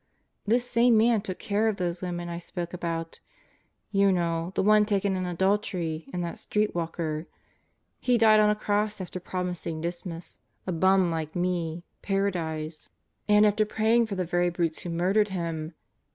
This same Man took care of those women I spoke about. You know: the one taken in adultery and that street walker. He died on a Cross after promising Dismas, a bum like me, Paradise; and 38 God Goes to Murderers Row after praying for the very brutes who murdered Him.